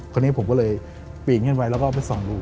คนนี้ผมก็เลยปีนขึ้นไปแล้วก็ไปส่องดู